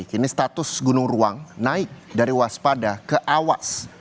kini status gunung ruang naik dari waspada ke awas